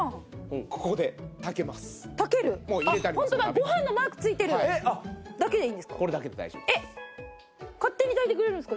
ご飯のマークついてる。だけでいいんですか？